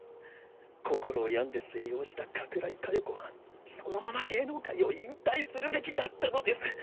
心を病んで静養した加倉井加代子はそのまま芸能界を引退するべきだったのです。